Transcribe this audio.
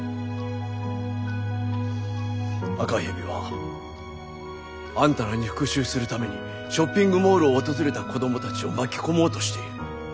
赤蛇はあんたらに復讐するためにショッピングモールを訪れた子供たちを巻き込もうとしている。